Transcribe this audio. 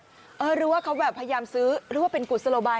หรือว่าเขาแบบพยายามซื้อหรือว่าเป็นกุศโลบาย